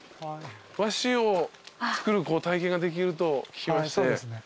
和紙を作る体験ができると聞きまして。